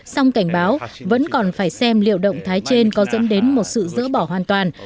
song cảnh báo vẫn còn phải xem liệu động thái trên có dẫn đến một sự dỡ bỏ hoàn toàn